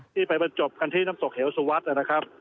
ที่ไปมาจบกันที่น้ำตกเหี่ยวสุวัสดิ์